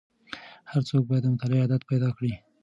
هر څوک باید د مطالعې عادت پیدا کړي.